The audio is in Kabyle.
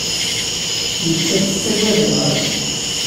Nettat tettaggad iḍan.